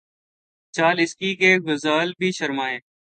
چال اس کی کہ، غزال بھی شرمائیں